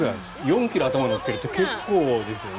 ４ｋｇ頭にあるって結構ですよね。